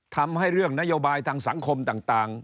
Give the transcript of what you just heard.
ทำให้เรื่องนโยบายทางสังคมต่าง